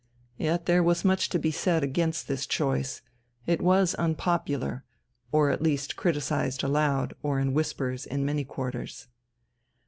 Yet there was much to be said against this choice; it was unpopular, or at least criticized aloud or in whispers in many quarters.